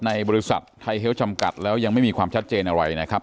ในบริษัทไทยเฮลจำกัดแล้วยังไม่มีความชัดเจนอะไรนะครับ